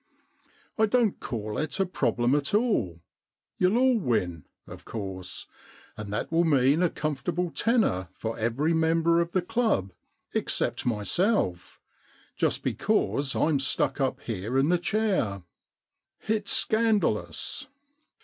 I don't call it a problem at all. You'll all win, of course, and that will mean a comfortable tenner for every member of the club except myself — just because I'm stuck up here in the chair. It's scandalous.